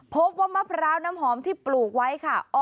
พบว่ามะพร้าวน้ำหอมที่ปลูกไว้ค่ะ